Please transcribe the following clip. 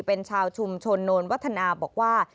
เป็นชาวชุมชนโนนวัฒนาบอกว่า